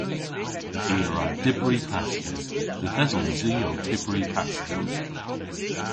I a wra dybri pasti. Yth esons i ow tybri pasti.